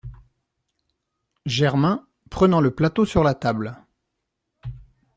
Germain , prenant le plateau sur la table.